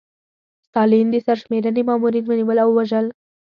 ستالین د سرشمېرنې مامورین ونیول او ووژل.